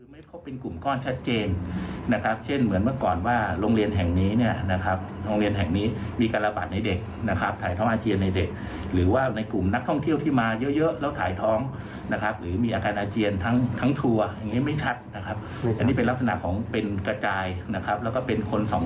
ไม่พบเป็นกลุ่มก้อนชัดเจนนะครับเช่นเหมือนเมื่อก่อนว่าโรงเรียนแห่งนี้เนี่ยนะครับโรงเรียนแห่งนี้มีการระบาดในเด็กนะครับถ่ายท้องอาเจียนในเด็กหรือว่าในกลุ่มนักท่องเที่ยวที่มาเยอะเยอะแล้วถ่ายท้องนะครับหรือมีอาการอาเจียนทั้งทั้งทัวร์อย่างนี้ไม่ชัดนะครับอันนี้เป็นลักษณะของเป็นกระจายนะครับแล้วก็เป็นคนสอง